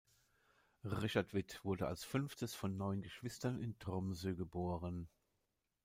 Richard With wurde als fünftes von neun Geschwistern in Tromsø geboren.